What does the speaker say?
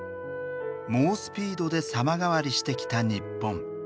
猛スピードで様変わりしてきた日本。